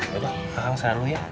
coba kakang selalu ya